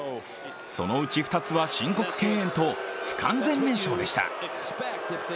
そのうち２つは申告敬遠と、不完全燃焼でした。